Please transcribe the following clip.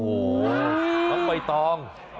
โอ้โหต้องไปต้อง